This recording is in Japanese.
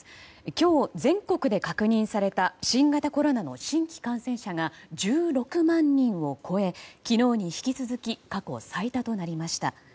今日、全国で確認された新型コロナの新規感染者が１６万人を超え、昨日に引き続き過去最多となりました。